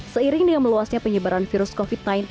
seiring dengan meluasnya penyebaran virus covid sembilan belas